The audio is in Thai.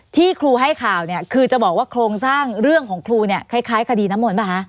ที่ครูให้ข่าวเนี่ยคือจะบอกว่าโครงสร้างเรื่องของครูเนี่ยคล้ายคดีน้ำมนต์ป่ะคะ